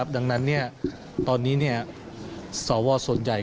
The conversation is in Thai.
ดังนั้นตอนนี้สวส่วนใหญ่